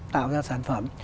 tạo ra sản phẩm